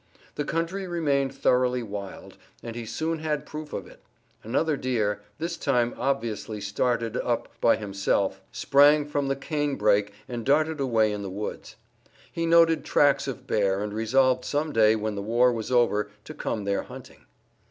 The country remained thoroughly wild, and he soon had proof of it. Another deer, this time obviously started up by himself, sprang from the canebrake and darted away in the woods. He noted tracks of bear and resolved some day when the war was over to come there hunting.